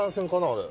あれ。